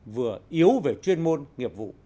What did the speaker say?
vừa yếu về chuyên môn